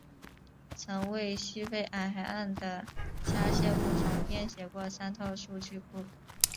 曾为西非海岸的虾蟹物种编写过三套数据库。